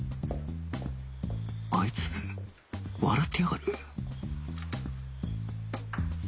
あいつ笑ってやがる